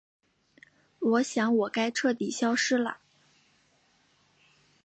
我想我该彻底消失了。